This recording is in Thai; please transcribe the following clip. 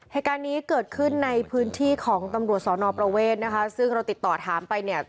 เหตุการณ์นี้เกิดขึ้นในพื้นที่ของตำรวจสอนอประเวทนะคะซึ่งเราติดต่อถามไปเนี่ย